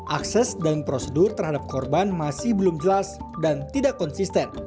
akses dan prosedur terhadap korban masih belum jelas dan tidak konsisten